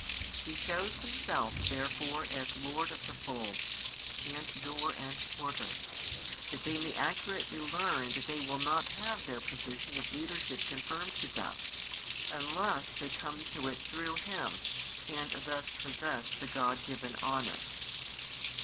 He shows Himself therefore as Lord of the fold, and Door and Porter, that they may accurately learn that they will not have their position of leadership confirmed to them, unless they come to it through Him and thus possess the God given honour.